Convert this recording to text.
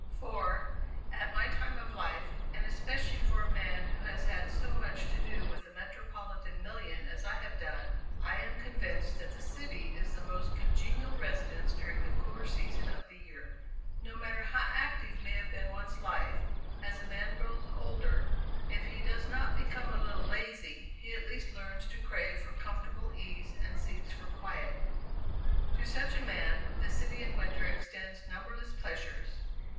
For, at my time of life, and especially for a man who has had so much to do with the metropolitan million as I have done, I am convinced that the city is the most congenial residence during the cooler season of the year. No matter how active may have been one's life, as a man grows older, if he does not become a little lazy, he at least learns to crave for comfortable ease and seeks for quiet. To such a man, the city in winter extends numberless pleasures.